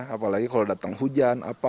apalagi kalau datang hujan